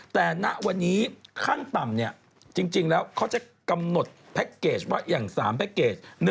แต่ณวันนี้ขั้นต่ำจริงแล้วเขาจะกำหนดแพ็คเกจว่าอย่าง๓แพ็คเกจ